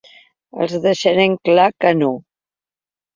Els deixarem clar que no!